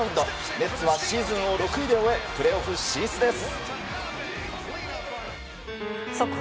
ネッツはシーズンを６位で終えプレーオフ進出です。